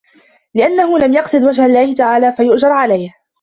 لِأَنَّهُ لَمْ يَقْصِدْ وَجْهَ اللَّهِ تَعَالَى فَيُؤْجَرَ عَلَيْهِ